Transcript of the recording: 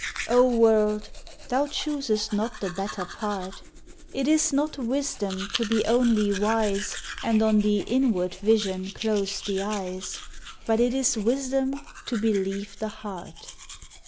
O world, thou choosest not the better part! It is not wisdom to be only wise, And on the inward vision close the eyes, But it is wisdom to believe the heart.